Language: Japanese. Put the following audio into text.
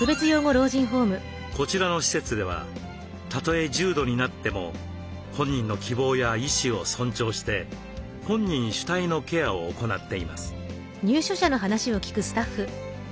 こちらの施設ではたとえ重度になっても本人の希望や意思を尊重して本人主体のケアを行っています。